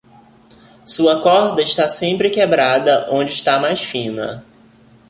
Sua corda está sempre quebrada onde está mais fina.